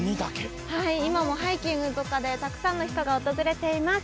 今もハイキングとかでたくさんの人が訪れています。